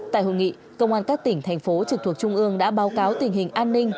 tại hội nghị công an các tỉnh thành phố trực thuộc trung ương đã báo cáo tình hình an ninh